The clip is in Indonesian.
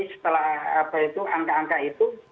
setelah apa itu angka angka itu